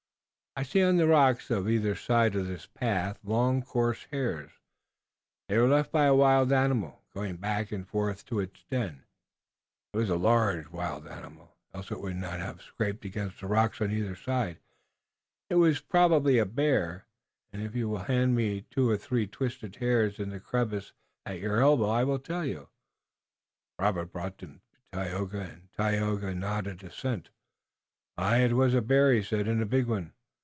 "I see on the rocks on either side of this path long, coarse hairs. They were left by a wild animal going back and forth to its den. It was a large wild animal, else it would not have scraped against the rocks on either side. It was probably a bear, and if you will hand me the two or three twisted hairs in the crevice at your elbow I will tell you." Robert brought them to him and Tayoga nodded assent. "Aye, it was a bear," he said, "and a big one."